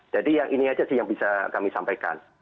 jadi yang ini aja sih yang bisa kami sampaikan